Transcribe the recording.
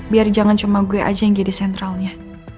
biar jangan cuma gue aja yang jadi sentralnya